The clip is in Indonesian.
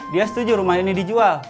dia setuju rumah ini dijual